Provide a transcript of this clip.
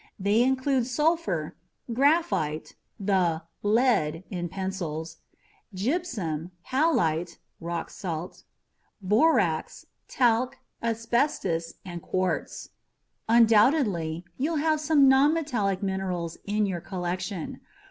They include sulfur, graphite (the "lead" in pencils), gypsum, halite (rock salt), borax, talc, asbestos and quartz. Undoubtedly, you'll have some nonmetallic minerals in your collection.